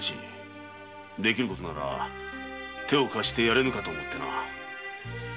できることなら手を貸してやれぬかと思ってな。